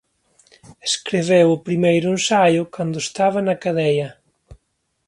Escribiu o primeiro ensaio cando estaba na cadea.